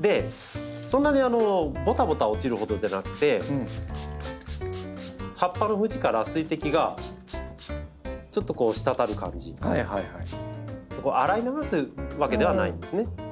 でそんなにボタボタ落ちるほどじゃなくて葉っぱの縁から洗い流すわけではないんですね。